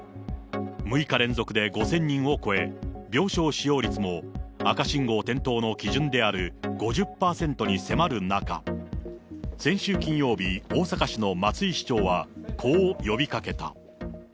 ６日連続で５０００人を超え、病床使用率も赤信号点灯の基準である５０％に迫る中、先週金曜日、大阪市の松井市長はこう呼びかけた。